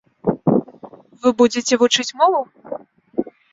Вы будзеце вучыць мову?